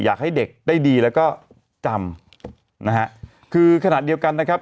อยากให้เด็กได้ดีแล้วก็จำนะฮะคือขณะเดียวกันนะครับ